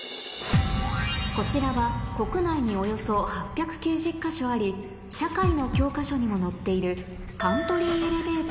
こちらは国内におよそ８９０か所あり社会の教科書にも載っているという建物です